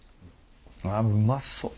あっうまそう。